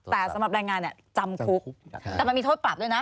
แต่สำหรับแรงงานเนี่ยจำคุกแต่มันมีโทษปรับด้วยนะ